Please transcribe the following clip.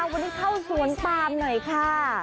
วันนี้เข้าสวนปามหน่อยค่ะ